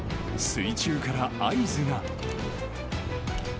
水中から合図が。